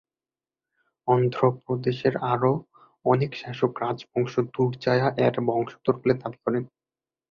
অন্ধ্র প্রদেশের আরও অনেক শাসক রাজবংশ দুরজায়া-এর বংশধর বলে দাবি করেন।